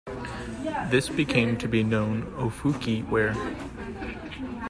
This became to be known Ofukei ware.